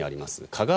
加賀